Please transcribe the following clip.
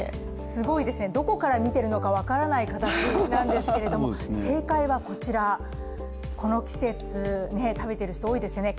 すごいですね、どこから見ているのか分からない形なんですが正解はこちらこの季節、食べている人多いですよね。